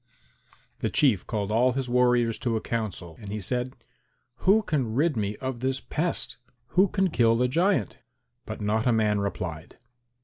The Chief called all his warriors to a council, and he said, "Who can rid me of this pest? Who can kill the giant?" But not a man replied.